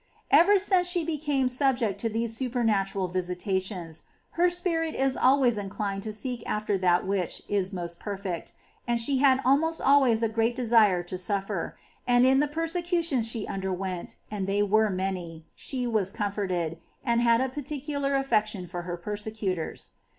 20. Ever since she became subject to these supernatural visitations, her spirit is always inclined to seek after that which is most perfect, and she had almost always a great desire to suffer ; and in the persecutions she underwent, and they were many, she was comforted, and had a particular affection for her persecutors.